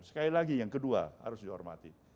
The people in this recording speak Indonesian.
sekali lagi yang kedua harus dihormati